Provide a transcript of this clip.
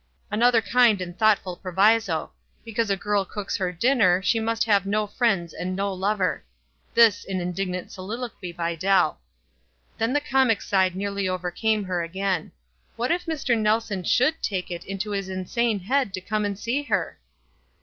"Another kind and thoughtful proviso. Be cause a girl cooks her dinner, she must have no friends and no lover." This in indignant solil oquy by Dell. Then the comic side nearly over came her again. What if Mr. Nelson should take it into his insane head to come and see her